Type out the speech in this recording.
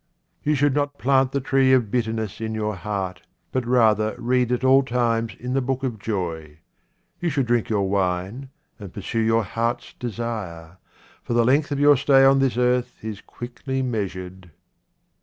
You should not plant the tree of bitterness in your heart, but rather read at all times in the book of joy. You should drink your wine and ii QUATRAINS OF OMAR KHAYYAM pursue your heart's desire, for the length of your stay on this earth is quickly measured.